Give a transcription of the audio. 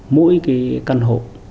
mỗi cái căn hộ